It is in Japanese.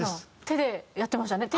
手でやってましたね。